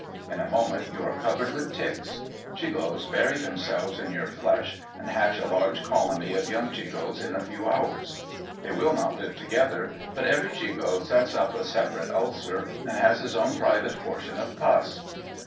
In a moment, you are covered with ticks. Chigoes bury themselves in your flesh, and hatch a large colony of young chigoes in a few hours. They will not live together, but every chigoe sets up a separate ulcer, and has his own private portion of pus.